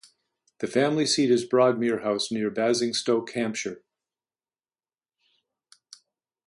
The family seat is Broadmere House, near Basingstoke, Hampshire.